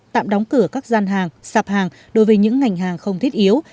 tạm đóng cửa các gian hàng sạp hàng đối với những ngành hàng không thiết yếu